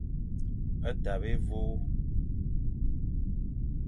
Tabe évÔ.